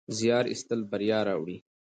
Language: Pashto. زیار ایستل بریا راوړي.